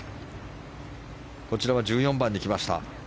こちらは１４番に来ました。